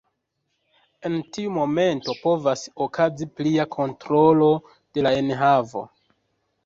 En tiu momento povas okazi plia kontrolo de la enhavo.